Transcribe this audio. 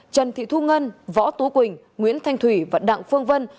trần thị thu ngân võ tú quỳnh nguyễn thanh thủy và đặng phương vân